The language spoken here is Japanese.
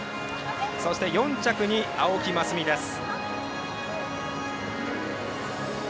そして４着に青木益未です。